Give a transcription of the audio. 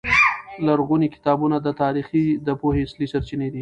لرغوني کتابونه د تاریخ د پوهې اصلي سرچینې دي.